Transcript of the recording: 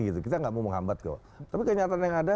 kita nggak mau menghambat kok tapi kenyataan yang ada